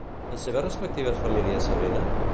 Les seves respectives famílies s'avenen?